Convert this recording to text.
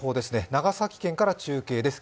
長崎県から中継です。